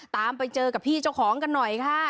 ตามไปเจอกับพี่เจ้าของกันหน่อยค่ะ